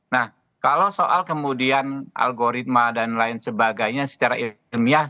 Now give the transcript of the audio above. nah kalau soal kemudian algoritma dan lain sebagainya secara ilmiah